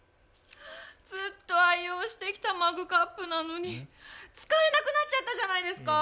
ずっと愛用してきたマグカップなのに使えなくなっちゃったじゃないですか！